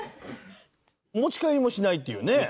お持ち帰りもしないっていうね